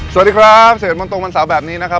สวัสดีครับ๑๑โมงตรงวันเสาร์แบบนี้นะครับ